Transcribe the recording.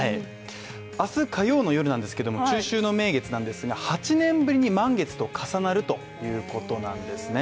明日火曜ですが、中秋の名月ですが８年ぶりに満月と重なるということなんですね。